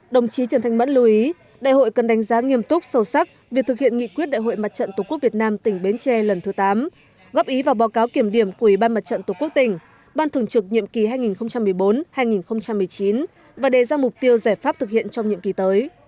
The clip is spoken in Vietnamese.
đồng chí trần thanh mẫn lưu ý đại hội cần đánh giá nghiêm túc sâu sắc việc thực hiện nghị quyết đại hội mặt trận tổ quốc việt nam tỉnh bến tre lần thứ tám góp ý vào báo cáo kiểm điểm của ủy ban mặt trận tổ quốc tỉnh ban thường trực nhiệm kỳ hai nghìn một mươi bốn hai nghìn một mươi chín và đề ra mục tiêu giải pháp thực hiện trong nhiệm kỳ tới